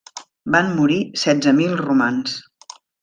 Van morir setze mil romans.